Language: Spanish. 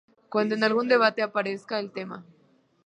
Cuando en algún debate aparezca el tema: